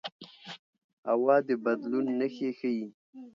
هوا د بدلون نښې ښيي